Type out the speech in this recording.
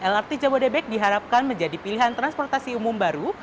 lrt jabodebek diharapkan menjadi pilihan transportasi umum baru